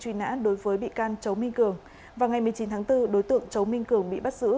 truy nã đối với bị can châu minh cường vào ngày một mươi chín tháng bốn đối tượng châu minh cường bị bắt giữ